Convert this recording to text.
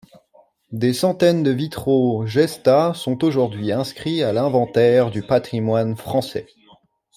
Des centaines de vitraux Gesta sont aujourd'hui inscrits à l’inventaire du patrimoine français.